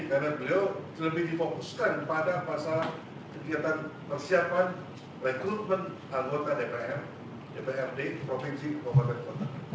karena beliau lebih difokuskan pada pasal kegiatan persiapan rekrutmen anggota dpr dprd provinsi kepala pertama